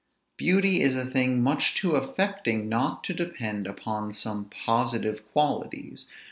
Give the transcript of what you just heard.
Beauty is a thing much too affecting not to depend upon some positive qualities.